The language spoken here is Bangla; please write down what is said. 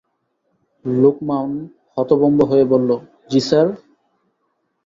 লোকমান হতভম্ব হয়ে বলল, জ্বি স্যার!